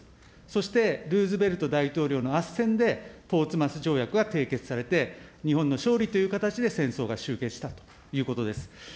そしてルーズベルト大統領のあっせんで、ポーツマス条約が締結されて、日本の勝利という形で戦争が終結したということです。